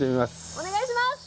お願いします！